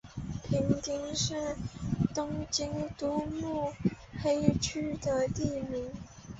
平町是东京都目黑区的地名。